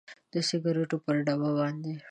د سګریټو پر ډبه باندې